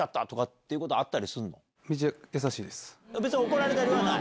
怒られたりはない？